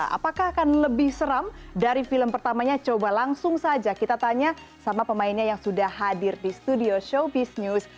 apakah akan lebih seram dari film pertamanya coba langsung saja kita tanya sama pemainnya yang sudah hadir di studio showbiz news